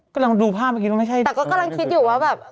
กำลังดูภาพเมื่อกี้ว่าไม่ใช่แต่ก็กำลังคิดอยู่ว่าแบบ